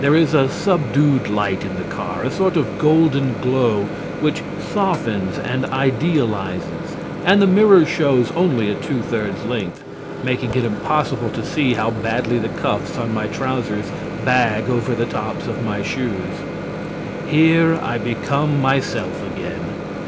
There is a subdued light in the car, a sort of golden glow which softens and idealizes, and the mirror shows only a two thirds length, making it impossible to see how badly the cuffs on my trousers bag over the tops of my shoes. Here I become myself again.